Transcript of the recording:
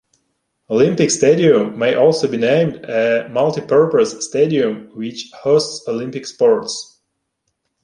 Olympic Stadium may also be named a multi-purpose stadium which hosts Olympic sports.